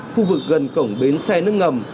khu vực gần cổng bến xe nước ngầm